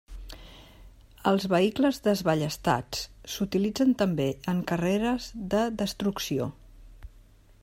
Els vehicles desballestats s'utilitzen també en carreres de destrucció.